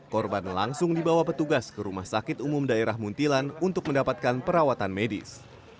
korban langsung dibawa petugas ke rumah sakit umum daerah muntilan untuk mendapatkan perawatan medis